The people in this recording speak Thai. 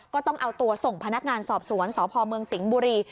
ก็ต้องเอาตัวส่งพนักงานสอบสวนสพเมืองสิงห์บุรี